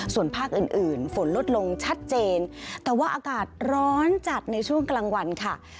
ส่วนภาคอื่นอื่นฝนลดลงชัดเจนแต่ว่าอากาศร้อนจัดในช่วงกลางวันค่ะ